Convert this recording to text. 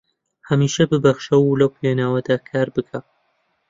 هەمیشە ببەخشە و لەو پێناوەدا کار بکە